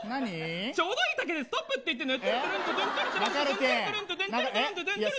ちょうどいい丈でストップって言ってね。